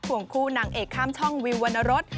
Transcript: ทวงคู่นางเอกค่ำท่องวิวนรัฐ